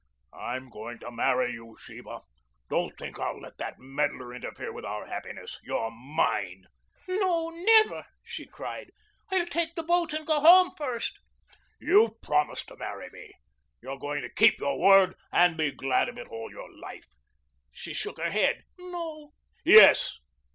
"I'm going to marry you, Sheba. Don't think I'll let that meddler interfere with our happiness. You're mine." "No. Never!" she cried. "I'll take the boat and go home first." "You've promised to marry me. You're going to keep your word and be glad of it all your life." She shook her head. "No." "Yes."